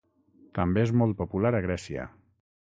També és molt popular a Grècia.